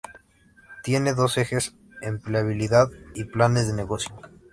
Tiene dos ejes: Empleabilidad y Planes de negocio.